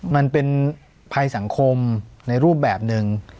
มันเป็นภัยสังคมในรูปแบบหนึ่ง